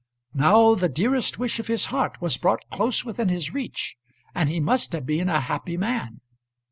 Now the dearest wish of his heart was brought close within his reach, and he must have been a happy man.